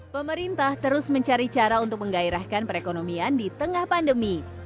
pemerintah terus mencari cara untuk menggairahkan perekonomian di tengah pandemi